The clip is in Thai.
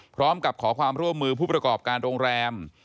พร้อมกับขอความร่วมมือผู้ประกอบการโรงแรม